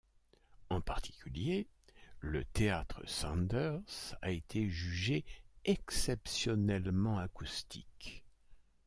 En particulier, le théâtre Sanders a été jugé exceptionnellement acoustique.